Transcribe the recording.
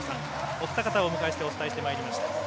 お二方をお迎えしてお伝えしてまいりました。